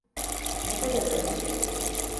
Ne kadar önce?